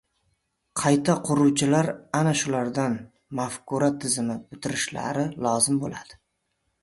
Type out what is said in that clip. Qayta quruvchilar ana shulardan... mafkura tizimi bitishlary lozim bo‘ladi.